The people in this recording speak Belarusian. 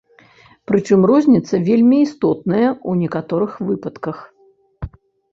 Прычым розніца вельмі істотная ў некаторых выпадках.